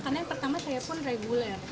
karena yang pertama saya pun reguler